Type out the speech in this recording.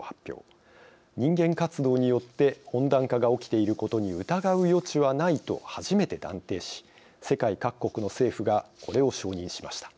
人間活動によって温暖化が起きていることに疑う余地はないと初めて断定し世界各国の政府がこれを承認しました。